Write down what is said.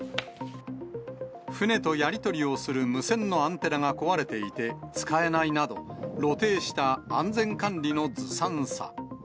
船とやり取りをする無線のアンテナが壊れていて使えないなど、露呈した安全管理のずさんさ。